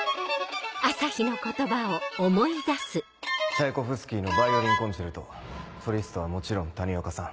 チャイコフスキーの『ヴァイオリンコンソリストはもちろん谷岡さん